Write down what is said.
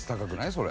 それ。